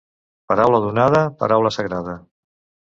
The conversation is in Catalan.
Paraula donada, paraula sagrada.